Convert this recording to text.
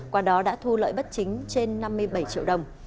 qua đó đã thu lợi bất chính trên năm mươi bảy triệu đồng